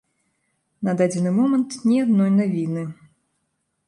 На дадзены момант ні адной навіны.